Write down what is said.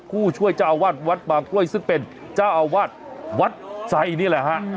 ผู้ช่วยเจ้าอาวาสวัดบางกล้วยซึ่งเป็นเจ้าอาวาสวัดไซนี่แหละฮะ